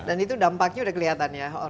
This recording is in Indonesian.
dan itu dampaknya sudah kelihatan ya